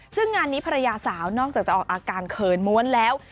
ซึ่งงานนี้ภรรยาสาวนอกจากจะออกอาการเขินม้วนแล้ว